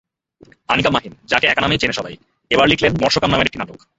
আনিকা মাহিন, যাঁকে একা নামেই চেনে সবাই, এবার লিখলেন মর্ষকাম নামের একটি নাটক।